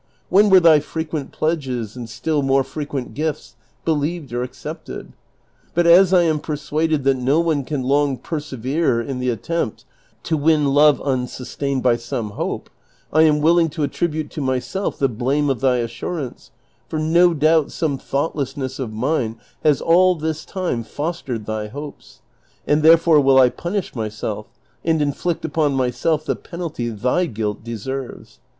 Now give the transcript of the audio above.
When were thy frequent pledges and still more frequent gifts believed or accepted? But as I am persuaded that no one can long persevere in the attempt to win loveunsustained by some hope, I am willing to attribute to myself the blame of thy assurance, for no doubt some thoughtlessness of mine has all this time fostered thy hopes; and therefore will I punish myself and in flict upon myself the penalty thy guilt deserves.